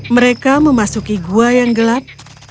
mereka memasuki gua yang gelap